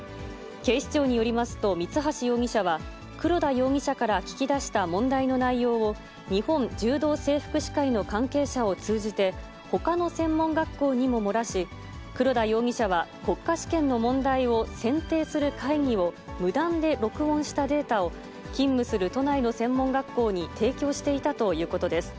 警視庁によりますと、三橋容疑者は黒田容疑者から聞き出した問題の内容を日本柔道整復師会の関係者を通じて、ほかの専門学校にも漏らし、黒田容疑者は国家試験の問題を選定する会議を無断で録音したデータを勤務する都内の専門学校に提供していたということです。